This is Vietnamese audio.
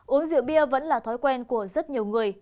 uống rượu bia vẫn là thói quen của rất nhiều người